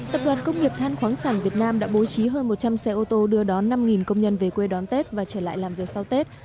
tập đoàn công nghiệp than khoáng sản việt nam đã bố trí hơn một trăm linh xe ô tô đưa đón năm công nhân về quê đón tết và trở lại làm việc sau tết